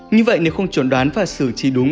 như vậy nếu không chuẩn đoán và xử trí đúng